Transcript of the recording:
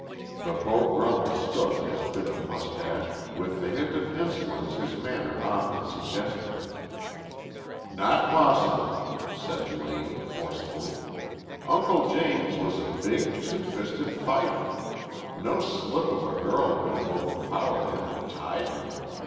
The Beau Brummel stroked his bit of mustache, with the hint of insolence his manner often suggested. "Not possible," said Lane forcefully. "Uncle James was a big, two fisted fighter. No slip of a girl could have overpowered him an' tied him.